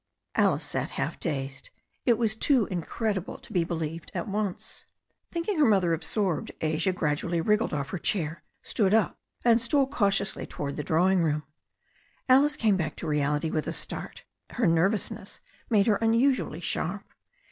Alice sat half dazed. It was too incredible to be at once believed. Thinking her mother absorbed, Asia gradually wriggled off her chair, stood up, and stole cautiously towards the drawing room. Alice came back to reality with a start. Her nervousness made her unusually sharp.